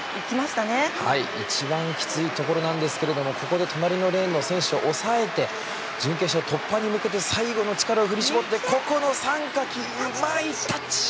一番きついところですが隣のレーンの選手を抑えて準決勝突破に向けて最後の力を振り絞ってここの３かき、うまいタッチ！